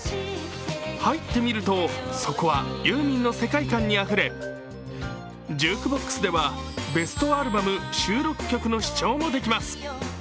入ってみると、そこはユーミンの世界観にあふれジュークボックスではベストアルバム収録曲の視聴もできます。